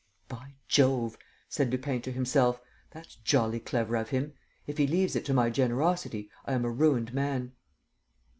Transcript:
"By Jove," said Lupin to himself, "that's jolly clever of him! If he leaves it to my generosity, I am a ruined man!"